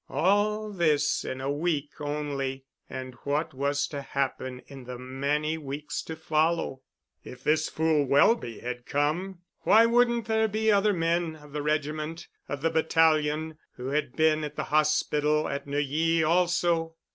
All this in a week only—and what was to happen in the many weeks to follow? If this fool Welby had come why wouldn't there be other men of the regiment, of the battalion, who had been at the hospital at Neuilly also?